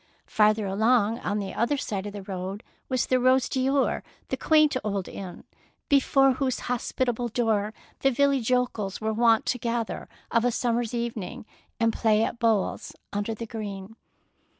Farther along on the other side of the road was the Rose d'Or, the quaint old inn, before whose hospitable door 141 DEEDS OF DAEING the village yokels were wont to gather of a summer's evening and play at bowls upon the green.